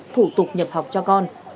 thủ tục nhập học cho con